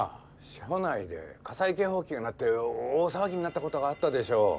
所内で火災警報器が鳴って大騒ぎになったことがあったでしょう？